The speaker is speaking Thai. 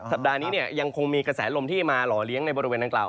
ปัดนี้เนี่ยยังคงมีกระแสลมที่มาหล่อเลี้ยงในบริเวณดังกล่าว